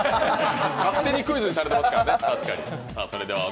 勝手にクイズにされてますからね、確かに。